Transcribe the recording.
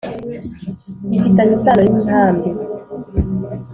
gifitanye isano n’intambi